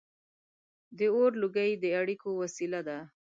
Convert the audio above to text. • د اور لوګي د اړیکو وسیله وه.